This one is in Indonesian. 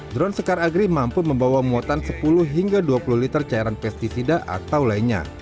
drone sekar agri mampu membawa muatan sepuluh hingga dua puluh liter cairan pesticida atau lainnya